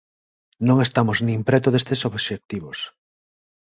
Non estamos nin preto destes obxectivos.